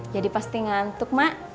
jadi pasti ngantuk mak